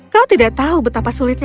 kau tidak tahu betapa sulitnya